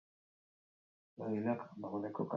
Katoliko sutsua, Ekintza Katolikoa bultzatu zuen.